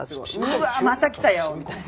「うわあまたきたよ」みたいな。